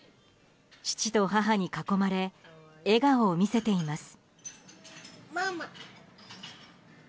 父と母に囲まれ笑顔を見せています。